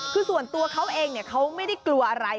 คือส่วนตัวเขาเองเขาไม่ได้กลัวอะไร